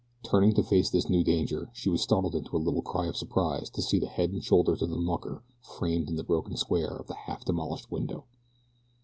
Turning to face this new danger, she was startled into a little cry of surprise to see the head and shoulders of the mucker framed in the broken square of the half demolished window.